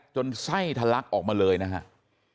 ไส้ทะลักออกมาเลยนะครับ